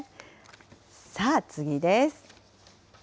さあ、次です。